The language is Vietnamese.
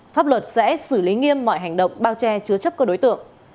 pháp luật sẽ xử lý nghiêm mọi hành động bao che chứa chấp các đối tượng